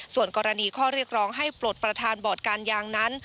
ส่วนกรณีข้อเรียกร้องให้ปลดประธานบอร์ดการยางนั้น